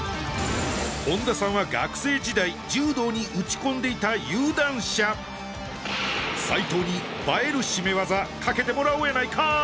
本田さんは学生時代柔道に打ち込んでいた有段者斉藤に映える絞め技かけてもらおうやないかー